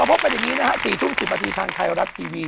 กลับมาพบเป็นอย่างนี้นะฮะ๔ทุ่ม๑๐นทางไทยรับทีวี